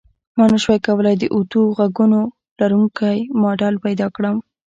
ما نشوای کولی د اتو غوږونو لرونکی ماډل پیدا کړم